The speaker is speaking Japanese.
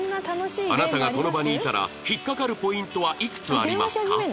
あなたがこの場にいたら引っかかるポイントはいくつありますか？